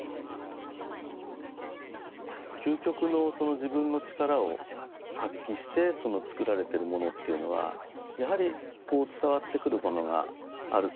究極のその自分の力を発揮して作られてるものっていうのはやはり伝わってくるものがあると思うんですよね。